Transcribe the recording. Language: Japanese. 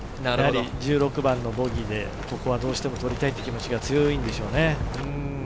１６番のボギーでここはどうしても取りたいという気持ちが強いんでしょうね。